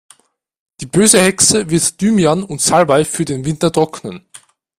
Die böse Hexe wird Thymian und Salbei für den Winter trocknen.